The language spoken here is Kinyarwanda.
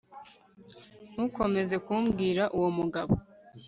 ntukomeze kumbwira uwo mugabo